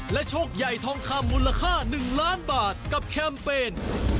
โชคใหญ่ทองคำมูลค่า๑ล้านบาทกับแคมเปญ